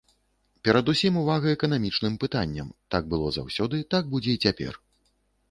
Перадусім увага эканамічным пытанням, так было заўсёды, так будзе і цяпер.